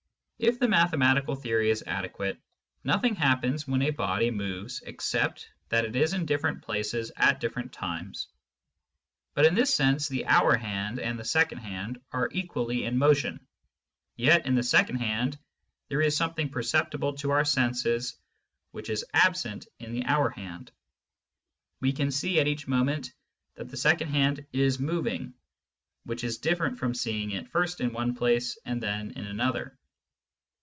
If the mathematical theory is adequate, nothing happens when a body moves except that it is in different places at different times. But in this sense the hour hand and the second hand are equally in motion, yet in the second hand there is something perceptible to our senses which is absent in the hour hand. We can see, at each moment, that the second hand is moving^ which is diflferent from seeing it first in one place and then in another.